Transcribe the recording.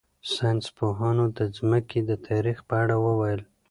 ساینس پوهانو د ځمکې د تاریخ په اړه وویل.